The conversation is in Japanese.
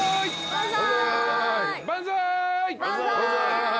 万歳！